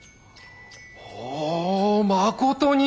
おぉまことに。